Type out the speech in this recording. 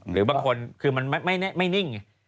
หรือบางคนคือมันไม่นิ่งไง